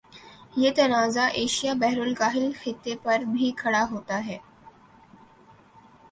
یہ تنازع ایشیا بحرالکاہل خطے پر بھی کھڑا ہوتا ہے